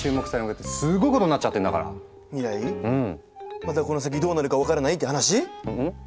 またこの先どうなるかうん。分からないって話？